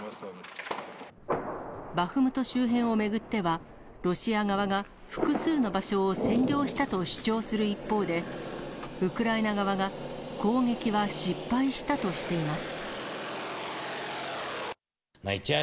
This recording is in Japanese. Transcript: バフムト周辺を巡っては、ロシア側が、複数の場所を占領したと主張する一方で、ウクライナ側が攻撃は失敗したとしています。